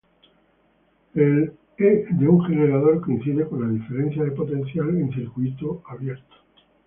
El ℰ de un generador coincide con la diferencia de potencial en circuito abierto.